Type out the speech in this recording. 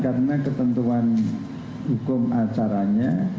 karena ketentuan hukum acaranya